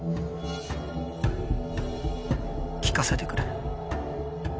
聞かせてくれ。